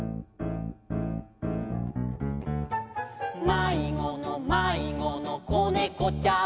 「まいごのまいごのこねこちゃん」